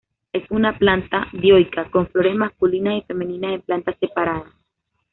Es una planta dioica, con flores masculinas y femeninas en plantas separadas.